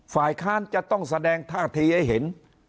ฝ่ายค้านจะต้องแสดงท่าทีให้เห็น